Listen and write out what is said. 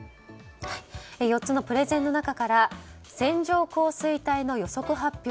４つのプレゼンの中から線状降水帯の予測発表